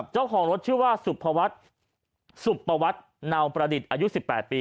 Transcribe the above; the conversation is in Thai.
เจ้าของรถชื่อว่าสุภวัฒนาวประดิษฐ์อายุ๑๘ปี